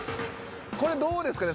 これどうですかね